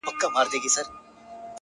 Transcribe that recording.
بس ده ه د غزل الف و با مي کړه _